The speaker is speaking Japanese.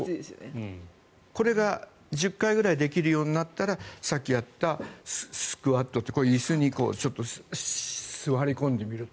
これが１０回くらいできるようになったらさっきやったスクワット椅子に座り込んでみる。